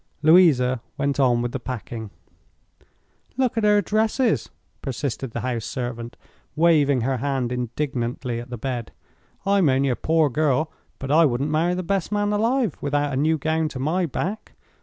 Louisa went on with the packing. "Look at her dresses!" persisted the house servant, waving her hand indignantly at the bed. "I'm only a poor girl, but I wouldn't marry the best man alive without a new gown to my back.